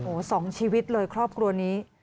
โอ้โห๒ชีวิตเลยครอบครัวนี้